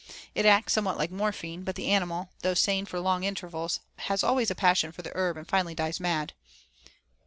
It acts somewhat like morphine, but the animal, though sane for long intervals, has always a passion for the herb and finally dies mad.